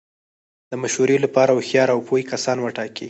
د مشورې له پاره هوښیار او پوه کسان وټاکئ!